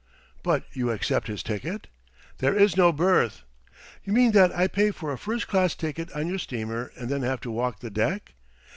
"But you accept his ticket?" "There is no berth." "You mean that I pay for a first class ticket on your steamer and then have to walk the deck?"